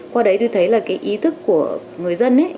qua đấy tôi thấy là cái ý thức của người dân